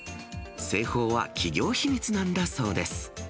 製法は企業秘密なんだそうです。